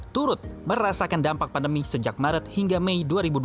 turut merasakan dampak pandemi sejak maret hingga mei dua ribu dua puluh